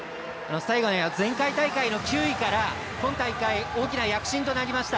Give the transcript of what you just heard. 最後に前回大会の９位から今大会、大きな躍進となりました。